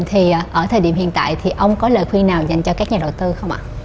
thì ở thời điểm hiện tại thì ông có lợi khuyên nào dành cho các nhà đầu tư không ạ